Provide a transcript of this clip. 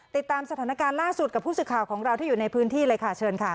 ติดตามสถานการณ์ล่าสุดกับผู้สื่อข่าวของเราที่อยู่ในพื้นที่เลยค่ะเชิญค่ะ